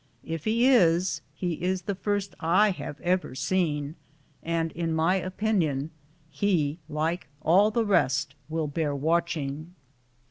If he is, he is the first I have ever seen, and in my opinion he, like all the rest, will bear watching."